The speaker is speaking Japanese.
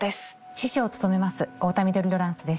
司書を務めます太田緑ロランスです。